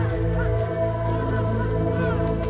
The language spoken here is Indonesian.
eh kabur ya